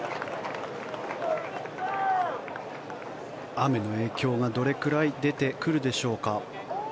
雨の影響がどれくらい出てくるでしょうか。